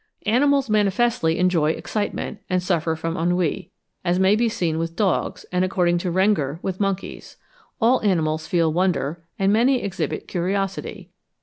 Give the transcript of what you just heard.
Animals manifestly enjoy excitement, and suffer from ennui, as may be seen with dogs, and, according to Rengger, with monkeys. All animals feel WONDER, and many exhibit CURIOSITY.